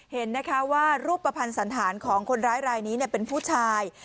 เห็นนะคะว่ารูปภัณฑ์สันธารของคนร้ายรายนี้เป็นผู้ชาย